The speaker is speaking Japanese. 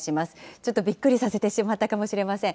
ちょっとびっくりさせてしまったかもしれません。